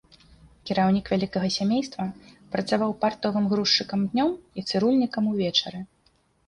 Кіраўнік вялікага сямейства працаваў партовым грузчыкам днём і цырульнікам увечары.